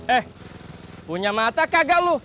eh punya mata kagak lu